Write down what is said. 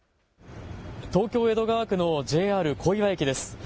東京江戸川区のＪＲ小岩駅です。